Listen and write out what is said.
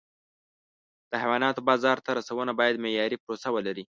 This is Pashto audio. د حیواناتو بازار ته رسونه باید معیاري پروسه ولري.